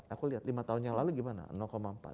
aku lihat lima tahun yang lalu gimana empat